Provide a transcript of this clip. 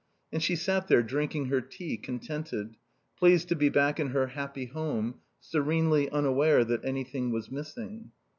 And she sat there, drinking her tea, contented; pleased to be back in her happy home; serenely unaware that anything was missing.